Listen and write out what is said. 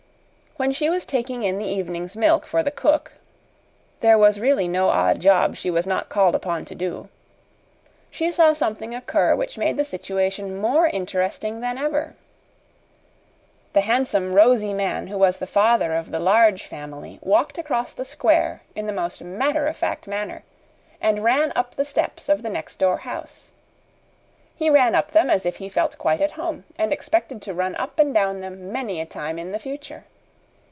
When she was taking in the evening's milk for the cook (there was really no odd job she was not called upon to do), she saw something occur which made the situation more interesting than ever. The handsome, rosy man who was the father of the Large Family walked across the square in the most matter of fact manner, and ran up the steps of the next door house. He ran up them as if he felt quite at home and expected to run up and down them many a time in the future.